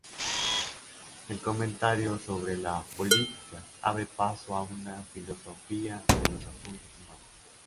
El comentario sobre la ""Política"" abre paso a una ""filosofía de los asuntos humanos"".